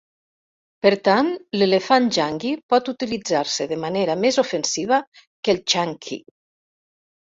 Per tant, l'elefant janggi pot utilitzar-se de manera més ofensiva que el xiangqi.